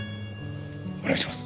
お願いします。